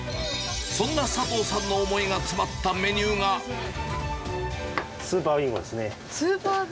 そんな佐藤さんの思いが詰まったスーパービンゴですね。